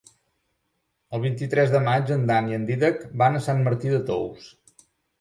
El vint-i-tres de maig en Dan i en Dídac van a Sant Martí de Tous.